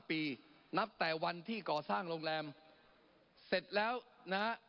ปีนับแต่วันที่ก่อสร้างโรงแรมเสร็จแล้วนะฮะ